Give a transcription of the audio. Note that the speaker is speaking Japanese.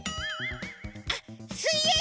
あっすいえい